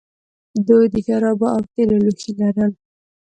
دوی د شرابو او تیلو لوښي لرل